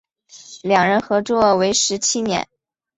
两人合作为时七年。